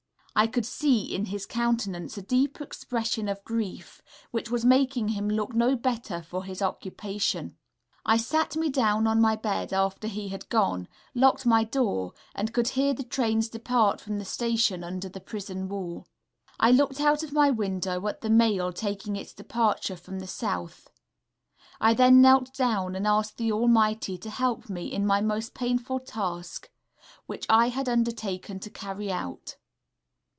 I could see in his countenance a deep expression of grief, which was making him look no better for his occupation.... I sat me down on my bed after he had gone, locked my door, and could hear the trains depart from the station under the prison wall. I looked out of my window at the mail taking its departure for the South.... I then knelt down and asked the Almighty to help me in my most painful task, which I had undertaken to carry out....